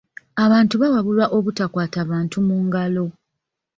Abantu baawabulwa obutakwata bantu mu ngalo.